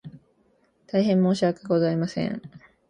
大変申し訳ございません